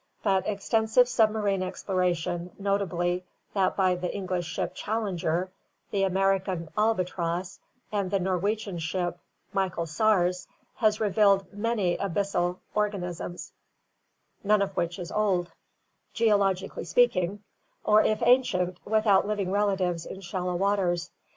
But extensive submarine exploration, notably that by the English ship "Challenger," the American "Albatross," and the Norwegian ship "Michael Sars" has revealed many abyssal organisms, none of which is old, geologically speaking, or if ancient, without living relatives in shallow waters.